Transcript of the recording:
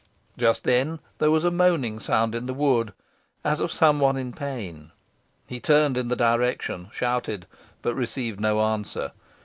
Just then there was a moaning sound in the wood, as of some one in pain. He turned in the direction, shouted, but received no answer.